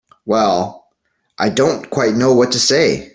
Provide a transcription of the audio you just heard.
Well—I don't quite know what to say.